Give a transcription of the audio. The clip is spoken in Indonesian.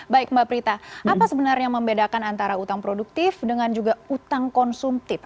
baik mbak prita apa sebenarnya yang membedakan antara hutang produktif dengan juga hutang konsumtif